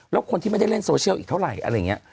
แล้วคนที่ไม่ได้เล่นโซเชียลอีกเท่าไหร่อะไรอย่างนี้